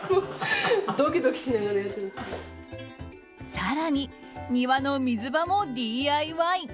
更に、庭の水場もＤＩＹ。